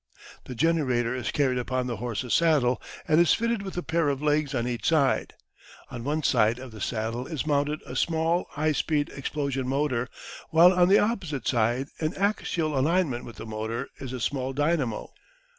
The generator is carried upon the horse's saddle, and is fitted with a pair of legs on each side. On one side of the saddle is mounted a small highspeed explosion motor, while on the opposite side, in axial alignment with the motor, is a small dynamo.